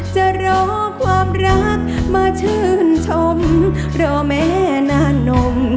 จะรอความรักมาชื่นชมเพราะแม่หน้านม